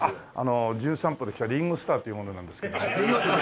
『じゅん散歩』で来たリンゴ・スターという者なんですけど。